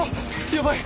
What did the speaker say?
やばい！